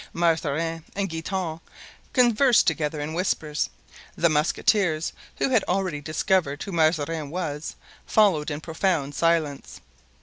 Mazarin and Guitant conversed together in whispers. The musketeers, who had already discovered who Mazarin was, followed in profound silence.